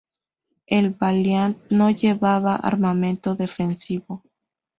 El Valiant no llevaba armamento defensivo.